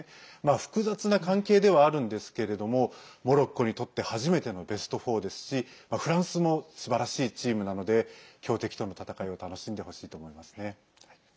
複雑な関係ではあるんですけれどもモロッコにとって初めてのベスト４ですしフランスもすばらしいチームなので強敵との戦いを楽しんでほしいと思いますね。